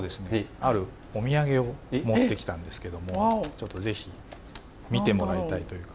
あるお土産を持ってきたんですけどもちょっとぜひ見てもらいたいというか。